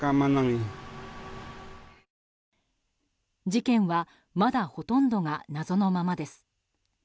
事件はまだほとんどが謎のままです。